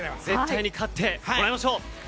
絶対に勝ってもらいましょう！